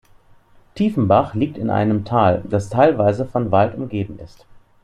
Tiefenbach liegt in einem Tal, das teilweise von Wald umgeben ist.